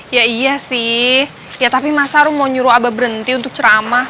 ya iya sih ya tapi masa ru mau nyuruh abah berhenti untuk ceramah